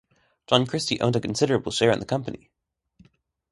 John Christie owned a considerable share in the company.